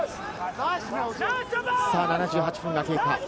７８分が経過。